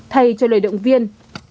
thay cho lời động viên